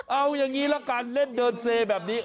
เอาอย่างนี้ละกันเล่นเดินเซแบบนี้